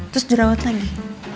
terus jerawat lagi